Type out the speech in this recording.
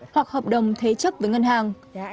hoặc hợp đồng thế chấp với ngân hàng